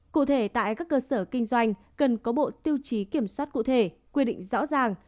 cụ thể tại các cơ sở kinh doanh cần có bộ tiêu chí kiểm soát cụ thể quy định rõ ràng